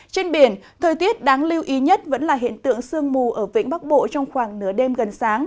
trên biển thời tiết đáng lưu ý nhất vẫn là hiện tượng sương mù ở vĩnh bắc bộ trong khoảng nửa đêm gần sáng